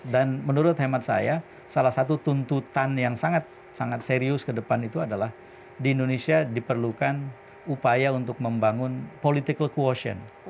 dan menurut hemat saya salah satu tuntutan yang sangat serius ke depan itu adalah di indonesia diperlukan upaya untuk membangun political quotient